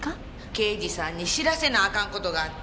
刑事さんに知らせなあかん事があって。